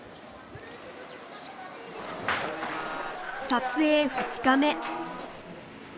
撮影２日目。